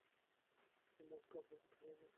অপু মুগ্ধ, অভিভূত হইয়া যায়!